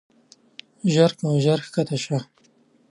ژر کوه ژر کښته شه.